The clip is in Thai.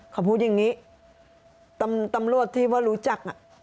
เขาพูดอย่างนี้ตำรวจที่ว่ารู้จัก